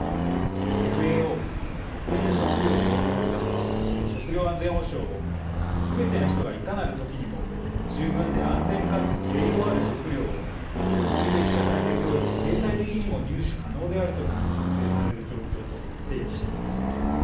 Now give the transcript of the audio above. ＦＡＯ＝国連食糧農業機関は食料安全保障をすべての人が、いかなる時にも十分で安全かつ栄養ある食料を物理的、社会的および経済的にも入手可能である時に達成される状況と定義しています。